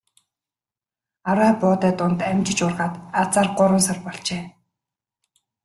Арвай буудай дунд амжиж ургаад азаар гурван сар болжээ.